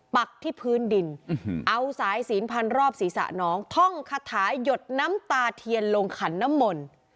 ปักที่พื้นดินเอาสายศีลพันรอบศีรษะน้องท่องคาถาหยดน้ำตาเทียนลงขันน้ำมนต์